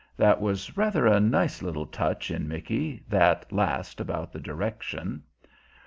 That was rather a nice little touch in Micky, that last about the direction.